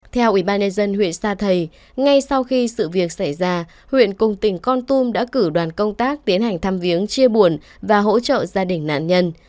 theo ubnd huyện sa thầy ngay sau khi sự việc xảy ra huyện cùng tỉnh con tum đã cử đoàn công tác tiến hành thăm viếng chia buồn và hỗ trợ gia đình nạn nhân